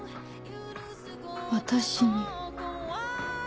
私に。